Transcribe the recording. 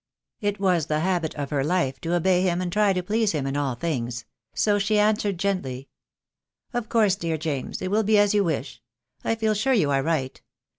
It was the habit of her life to obey him and try to please him in all things; so she answered gently, — "Of course, dear James, it shall be as you wish. I feel sure you are right.